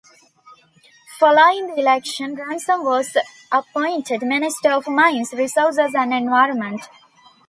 Following the election, Ransom was appointed Minister of Mines, Resources and Environment.